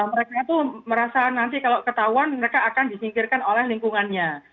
mereka itu merasa nanti kalau ketahuan mereka akan disingkirkan oleh lingkungannya